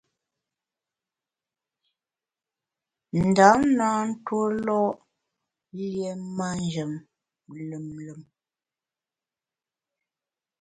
Ndam na ntuólo’ lié manjem lùm lùm.